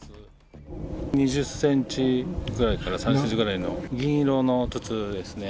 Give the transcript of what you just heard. ２０センチぐらいから３０センチぐらいの、銀色の筒ですね。